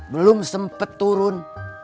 belum sempet turun